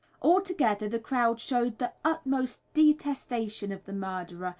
Altogether, the crowd showed the utmost detestation of the murderer.